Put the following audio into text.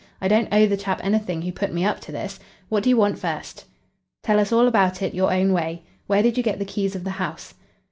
I don't owe the chap anything who put me up to this. What do you want first?" "Tell us all about it your own way. Where did you get the keys of the house?"